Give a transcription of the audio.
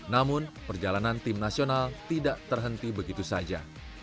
namun perjalanan tim nasional tidak terhenti begitu saja